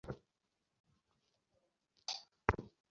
ঐরূপ হইবার একমাত্র শক্তি আমাদের ভিতরেই আছে।